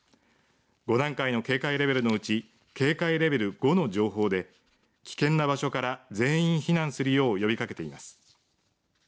５段階の警戒レベルのうち警戒レベル５の情報で危険な場所から全員避難するよう呼びかけています。